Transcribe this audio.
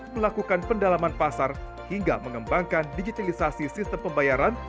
melakukan pendalaman pasar hingga mengembangkan digitalisasi sistem pembayaran